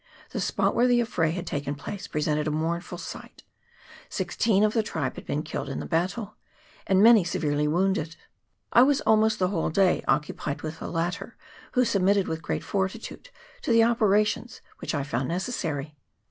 The spot where the affray had taken place presented a mournful sight: sixteen of the tribe had been killed in the battle, and many severely wounded. I was almost the whole day occupied with the latter, who submitted with great fortitude to the operations which I found necessary.